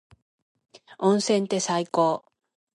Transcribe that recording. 温泉って最高。